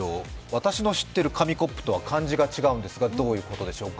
私の知っている紙コップとは漢字が違うんですが、どういうことでしょうか。